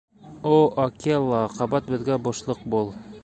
— О Акела, ҡабат беҙгә башлыҡ бул!